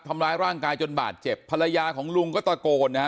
ทำร้ายร่างกายจนบาดเจ็บภรรยาของลุงก็ตะโกนนะฮะ